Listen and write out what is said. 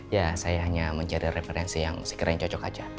ya saya hanya mencari referensi yang sekeren cocok aja